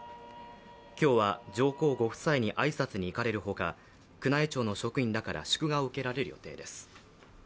今日は上皇ご夫妻に挨拶に行かれるほか、宮内庁の職員らから祝賀を受けられる予定です。